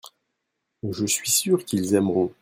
je suis sûr qu'ils aimeront.